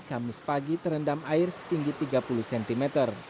kamis pagi terendam air setinggi tiga puluh cm